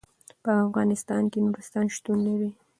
په افغانستان کې نورستان شتون لري.